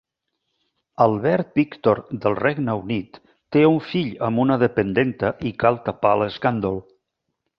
Albert Víctor del Regne Unit té un fill amb una dependenta i cal tapar l'escàndol.